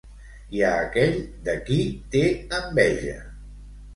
I a aquell de qui té enveja?